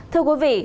thưa quý vị